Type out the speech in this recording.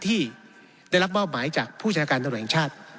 ที่ได้รับบ้อบหมายจากผู้จัดการตะวันเองชาติ